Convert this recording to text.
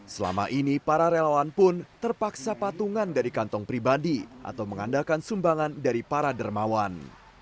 selama ini para relawan pun terpaksa patungan dari kantong pribadi atau mengandalkan sumbangan dari para dermawan